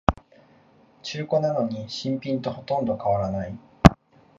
中古なのに新品とほとんど変わらない